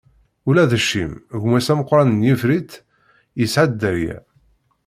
Ula d Cim, gma-s ameqran n Yifit, isɛa dderya.